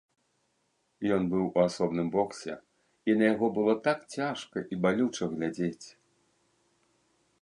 Ён быў у асобным боксе, і на яго было так цяжка і балюча глядзець.